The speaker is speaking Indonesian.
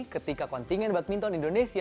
ketika kontingen badminton indonesia